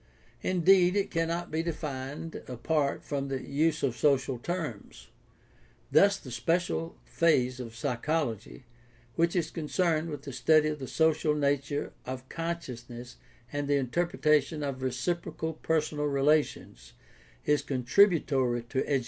Indeed, it cannot be defined apart from the use of social terms. Thus the special phase of psychology which is concerned with the study of the social nature of consciousness and the inter pretation of reciprocal personal relations is contributory to education.